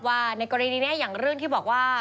ว่าในกรณีนี้อย่างเรื่องที่บอกว่า